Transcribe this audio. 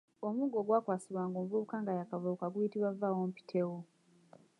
Omuggo ogwakwasibwanga omuvubuka nga y'akavubuka guyitibwa vvaawompitewo.